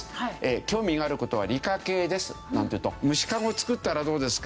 「興味があることは“理科系”です」なんていうと「虫かごを作ったらどうですか？」